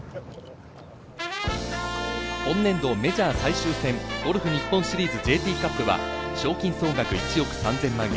本年度メジャー最終戦、ゴルフ日本シリーズＪＴカップは、賞金総額１億３０００万円。